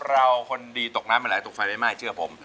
เราคนดีตกน้ำมาหลายตกไฟไม่ไหม้เชื่อผม